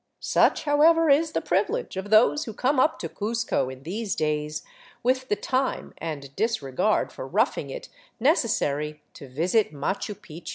Such, however, is the privilege of those who come up to Cuzco in these days with the time and disregard for roughing it necessary to visit Machu Picchu.